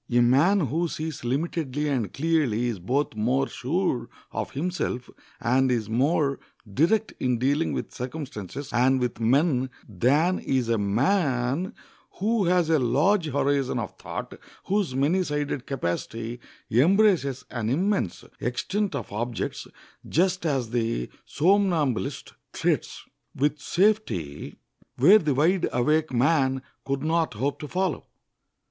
A man who sees limitedly and clearly is both more sure of himself and is more direct in dealing with circumstances and with men than is a man who has a large horizon of thought, whose many sided capacity embraces an immense extent of objects, just as the somnambulist treads with safety where the wide awake man could not hope to follow.